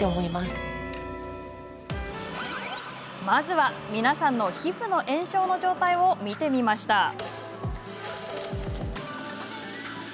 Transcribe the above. まずは、皆さんの皮膚の炎症の状態を見てみました。